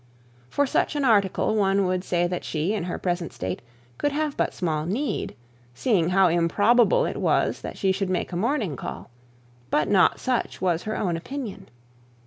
For such an article one would say that she, in her present state, could have but small need, seeing how improbable it was that she should make a morning call; but not such was her own opinion.